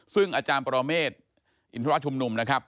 ซึ่งอาจารย์ปรเมฆอินทรชุมนุมนะครับ